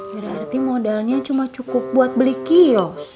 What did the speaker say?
berarti modalnya cuma cukup buat beli kio